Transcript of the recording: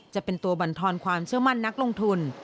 จะเป็นตัวบรรทอนความเชื่อมั่นนักลงทุน